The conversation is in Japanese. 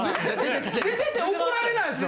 出てて怒られないんすよ。